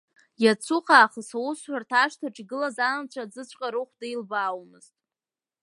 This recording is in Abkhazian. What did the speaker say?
Иацуха аахыс аусҳәарҭа ашҭаҿы игылаз анацәа аӡыҵәҟьа рыхәда илбаауамызт.